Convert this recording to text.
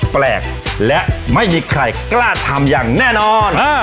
แปลกและไม่มีใครกล้าทำอย่างแน่นอน